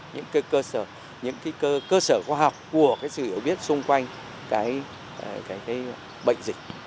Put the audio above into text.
những cái cơ sở những cái cơ sở khoa học của cái sự hiểu biết xung quanh cái cái cái bệnh dịch